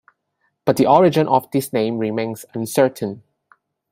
But the origin of this name remains uncertain.